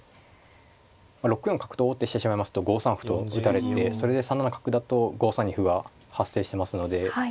６四角と王手してしまいますと５三歩と打たれてそれで３七角だと５三に歩が発生しますので。